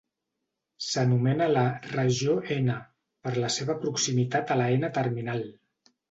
S'anomena la "regió n" per la seva proximitat a la N-Terminal.